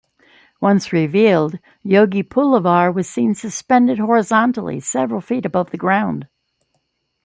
Once revealed, Yogi Pullavar was seen suspended horizontally several feet above the ground.